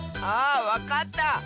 あわかった！